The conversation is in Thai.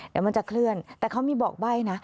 เดี๋ยวมันจะเคลื่อนแต่เขามีบอกใบ้นะ